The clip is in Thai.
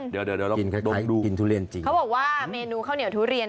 เดี๋ยวเดี๋ยวลองดูกินทุเรียนจริงเขาบอกว่าเมนูข้าวเหนียวทุเรียน